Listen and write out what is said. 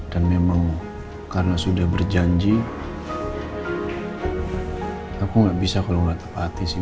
dan memang karena sudah berjanji aku tidak bisa kalau tidak tepat hati sih